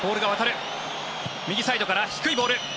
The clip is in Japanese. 右サイドから低いボール。